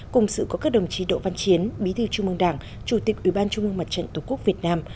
cùng sự có các đồng chí đỗ văn chiến bí thư trung mương đảng chủ tịch ủy ban trung ương mặt trận tổ quốc việt nam